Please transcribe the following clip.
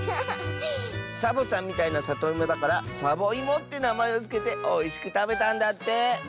サボさんみたいなさといもだから「サボいも」ってなまえをつけておいしくたべたんだって。